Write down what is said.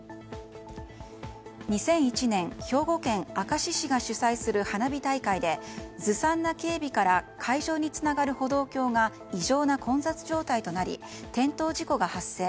２００１年、兵庫県明石市が主催する花火大会でずさんな警備から会場につながる歩道橋が異常な混雑状態となり転倒事故が発生。